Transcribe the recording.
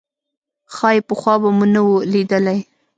ښايي پخوا به مو نه وه لیدلې.